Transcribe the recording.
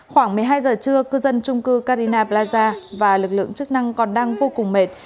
khoảng một mươi hai giờ trưa cư dân trung cư carina plaza và lực lượng chức năng còn đang vô cùng mệt